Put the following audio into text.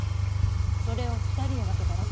それを２人で分けたら？